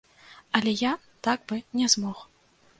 Але я так бы не змог.